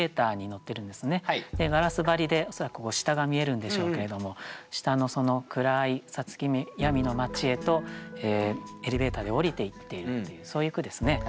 ガラス張りで恐らく下が見えるんでしょうけれども下の暗い五月闇の街へとエレベーターで降りていっているというそういう句ですね。